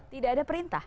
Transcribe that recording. tidak ada perintah